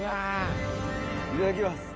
いただきます。